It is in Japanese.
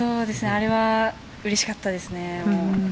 あれはうれしかったです。